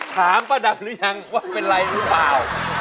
ถามป้าดำหรือยังว่าเป็นไรหรือเปล่า